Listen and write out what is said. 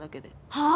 はあ！？